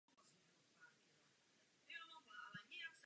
Album mělo velkou reklamu.